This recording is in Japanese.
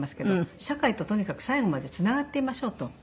社会ととにかく最後までつながっていましょうと。